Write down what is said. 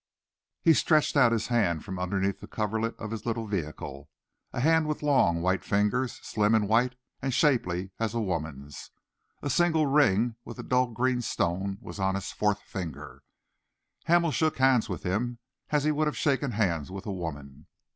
He stretched out his hand from underneath the coverlet of his little vehicle a hand with long, white fingers, slim and white and shapely as a woman's. A single ring with a dull green stone was on his fourth finger. Hamel shook hands with him as he would have shaken hands with a woman.